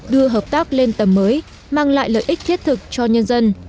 đưa hợp tác lên tầm mới mang lại lợi ích thiết thực cho nhân dân